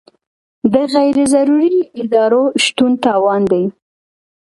د غیر ضروري ادارو شتون تاوان دی.